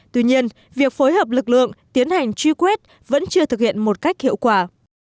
tuy nhiên việc phối hợp lực lượng tiến hành truy quét vẫn chưa thực hiện một cách hiệu quả